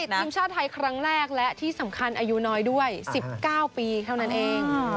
ทีมชาติไทยครั้งแรกและที่สำคัญอายุน้อยด้วย๑๙ปีเท่านั้นเอง